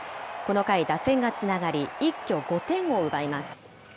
この回、打線がつながり、一挙５点を奪います。